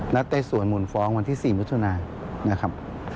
และไต่สวนหมุนฟ้องวันที่๔มิถุนานะครับ